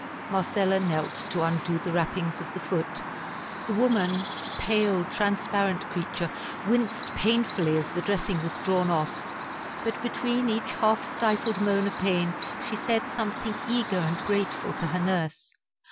Marcella knelt to undo the wrappings of the foot. The woman, a pale transparent creature, winced painfully as the dressing was drawn off; but between each half stifled moan of pain she said something eager and grateful to her nurse.